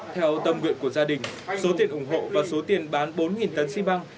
theo tâm nguyện của gia đình số tiền ủng hộ và số tiền bán bốn tấn xi măng